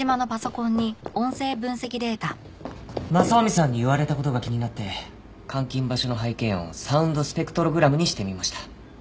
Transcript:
雅臣さんに言われた事が気になって監禁場所の背景音をサウンドスペクトログラムにしてみました。